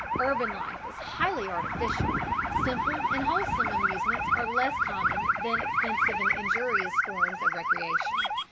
Urban life is highly artificial Simple and wholesome amusements are less common than expensive and injurious forms of recreation.